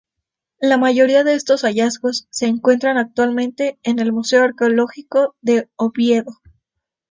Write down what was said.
La mayoría de estos hallazgos se encuentran actualmente en el Museo Arqueológico de Oviedo.